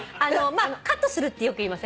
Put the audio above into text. カットするってよく言いません？